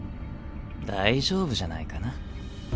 大丈夫じゃないかな。